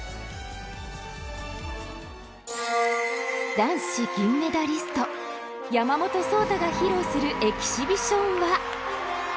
男子銀メダリスト山本草太が披露するエキシビションは。